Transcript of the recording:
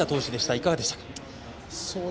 いかがでしたか。